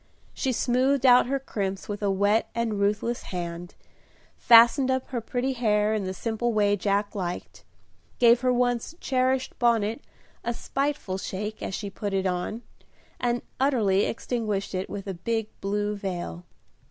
She smoothed out her crimps with a wet and ruthless hand; fastened up her pretty hair in the simple way Jack liked; gave her once cherished bonnet a spiteful shake, as she put it on, and utterly extinguished it with a big blue veil.